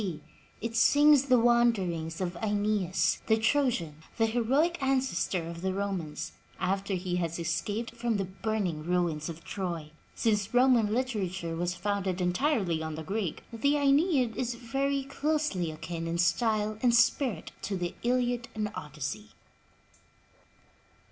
D. It sings the wanderings of Aeneas, the Trojan, the heroic ancestor of the Romans, after he has escaped from the burning ruins of Troy. Since Roman literature was founded entirely on the Greek, the Aeneid is very closely akin in style and spirit to the Iliad and Odyssey.